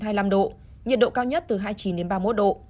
nhiệt độ cao nhất từ hai mươi chín đến ba mươi một độ